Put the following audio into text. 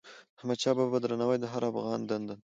د احمدشاه بابا درناوی د هر افغان دنده ده.